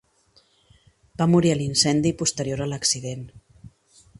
Va morir a l'incendi posterior a l'accident.